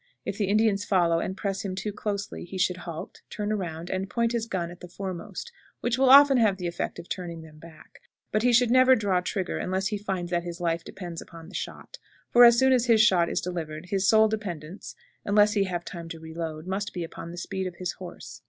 If the Indians follow and press him too closely, he should halt, turn around, and point his gun at the foremost, which will often have the effect of turning them back, but he should never draw trigger unless he finds that his life depends upon the shot; for, as soon as his shot is delivered, his sole dependence, unless he have time to reload, must be upon the speed of his horse.